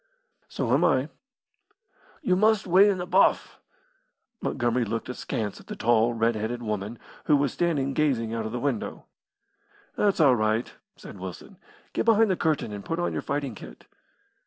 "So am I." "You must weigh in the buff." Montgomery looked askance at the tall, red headed woman who was standing gazing out of the window. "That's all right," said Wilson. "Get behind the curtain and put on your fighting kit."